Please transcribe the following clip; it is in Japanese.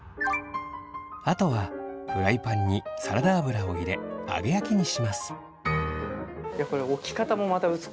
あとはフライパンにサラダ油を入れ揚げ焼きにします。